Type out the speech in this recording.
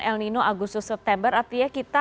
el nino agustus september artinya kita